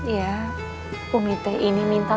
ya umi t ini minta